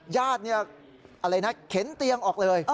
ญาติเข็นเตียงออกเลย